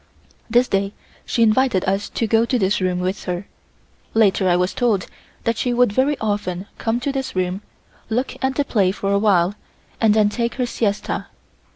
This day she invited us to go to this room with her. Later I was told that she would very often come to this room, look at the play for a while and then take her siesta.